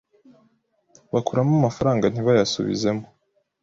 bakuramo amafaranga ntibayasubizemo